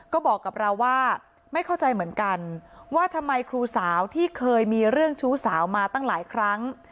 ก็บอกกับเราว่าไม่เข้าใจเหมือนกันว่าทำไมครูสาวที่เคยมีเรื่องชู้สาวมาตั้งหลายครั้ง